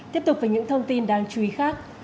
tiếp tục với những thông tin đáng chú ý khác